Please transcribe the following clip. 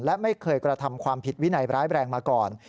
และไม่เคยกระทำความผิดวินัยร้ายแรงมาก่อน